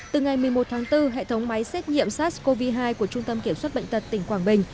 từ ngày một mươi một tháng bốn hệ thống máy xét nghiệm sars cov hai của trung tâm kiểm soát bệnh tật tỉnh quảng bình